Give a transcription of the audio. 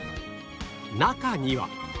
中には